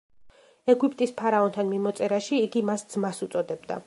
ეგვიპტის ფარაონთან მიმოწერაში, იგი მას ძმას უწოდებდა.